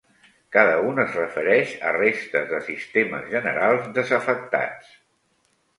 cada un es refereix a restes de sistemes generals desafectats.